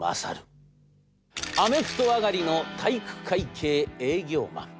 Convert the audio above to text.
アメフト上がりの体育会系営業マン。